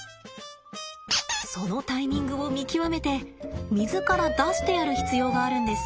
そのタイミングを見極めて水から出してやる必要があるんです。